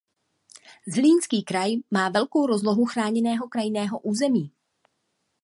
Zlínský kraj má velkou rozlohu chráněného krajinného území.